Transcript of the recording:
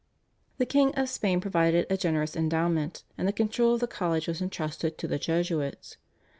The King of Spain provided a generous endowment, and the control of the college was entrusted to the Jesuits.